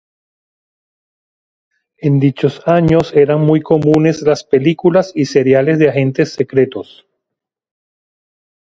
En dichos años eran muy comunes las películas y seriales de agentes secretos.